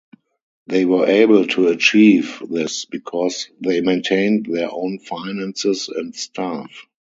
They were able to achieve this because they maintained their own finances and staff.